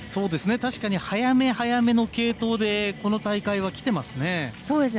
確かに早め早めの継投でこの大会はきてますね。